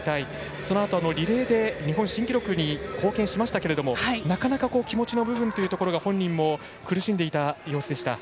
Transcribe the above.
そのあとリレーで、日本新記録に貢献しましたけれどもなかなか気持ちの部分というところが苦しんでいた様子でした。